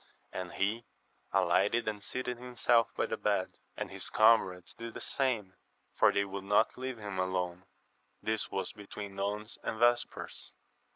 And he alighted and seated himself by the bed, and his comrades did the same, for they would not leave him alone. This was between nones and vespers.